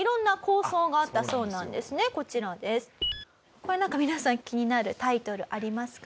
これなんか皆さん気になるタイトルありますか？